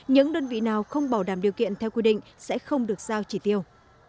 những đơn vị nào không bảo đảm điều kiện theo quy định sẽ không được giao chỉ tiêu